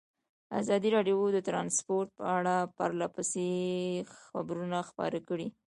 ازادي راډیو د ترانسپورټ په اړه پرله پسې خبرونه خپاره کړي.